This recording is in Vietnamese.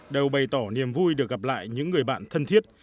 đều bày tỏ niềm vui được gặp lại những người bạn thân thiết